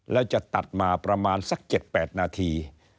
แล้วจะตัดมาประมาณสัก๗๘นาที